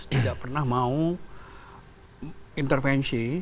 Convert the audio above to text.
tidak pernah mau intervensi